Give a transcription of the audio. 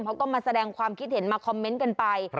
เขาก็มาแสดงความคิดเห็นมาคอมเมนต์กันไป